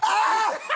ハハハ！